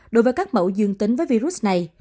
đối với các mẫu dương tính với virus này